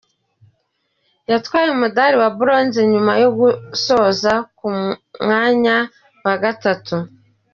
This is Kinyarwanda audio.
yatwaye umudali wa Bronze nyuma yo gusoza ku mwanya wa gatatu.